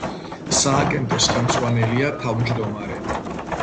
სააგენტოს ხელმძღვანელია თავმჯდომარე.